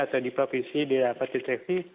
atau di provinsi dia dapat deteksi